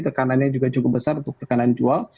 tekanannya juga cukup besar untuk tekanan jual